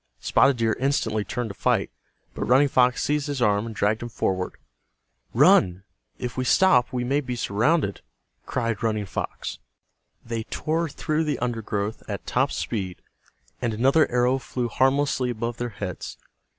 Spotted Deer instantly turned to fight, but Running Fox seized his arm and dragged him forward. "Run! If we stop we may be surrounded!" cried Running Fox. They tore through the undergrowth at top speed and another arrow flew harmlessly above their heads.